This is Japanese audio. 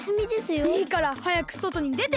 いいからはやくそとにでて！